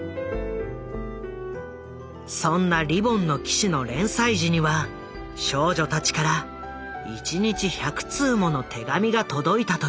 そんな「リボンの騎士」の連載時には少女たちから１日１００通もの手紙が届いたという。